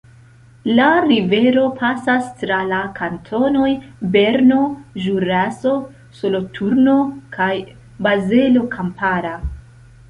La rivero pasas tra la kantonoj Berno, Ĵuraso, Soloturno kaj Bazelo Kampara.